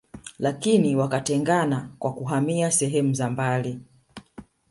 Lakini wakatengana kwa kuhamia sehemu za mbali